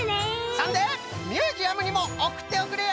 そんでミュージアムにもおくっておくれよ。